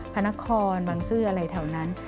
พระนครบังซื้ออะไรแถวนั้น